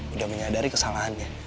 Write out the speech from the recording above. udah menyadari kesalahannya